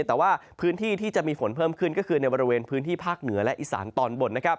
แต่ว่าพื้นที่ที่จะมีฝนเพิ่มขึ้นก็คือในบริเวณพื้นที่ภาคเหนือและอีสานตอนบน